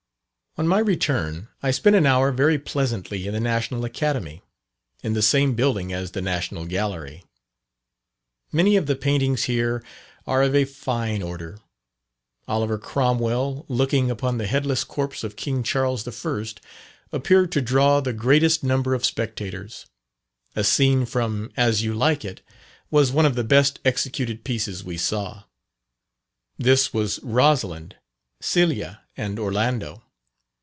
On my return, I spent an hour very pleasantly in the National Academy, in the same building as the National Gallery. Many of the paintings here are of a fine order. Oliver Cromwell looking upon the headless corpse of King Charles I., appeared to draw the greatest number of spectators. A scene from "As You Like it," was one of the best executed pieces we saw. This was "Rosalind, Celia, and Orlando."